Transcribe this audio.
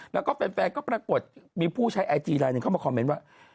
แล้วก็แฟนก็ปรากฏมีผู้ใช้ไอจีลายหนึ่งเข้ามาคอมเมนต์ว่า